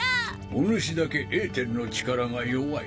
お主だけエーテルの力が弱い。